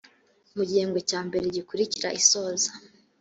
mu gihembwe cya mbere gikurikira isoza